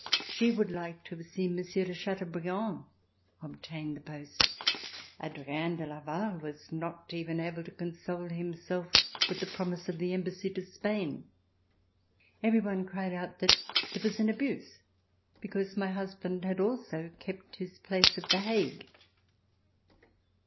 She would like to have seen Monsieur de Chateaubriand obtain the post. Adrien de Laval was not even able to console himself with the promise of the Embassy to Spain. Every one cried out that it was an abuse because my husband had also kept his place at The Hague.